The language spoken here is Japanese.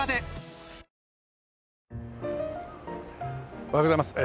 おはようございます。